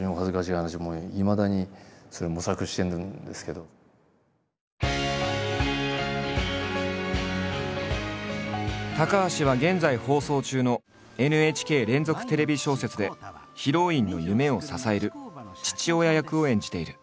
それはだからちょっと高橋は現在放送中のＮＨＫ連続テレビ小説でヒロインの夢を支える父親役を演じている。